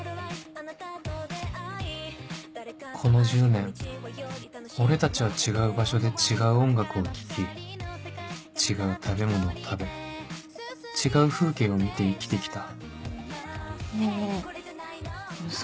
この１０年俺たちは違う場所で違う音楽を聴き違う食べ物を食べ違う風景を見て生きてきたねぇねぇあのさ